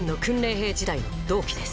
兵時代の同期です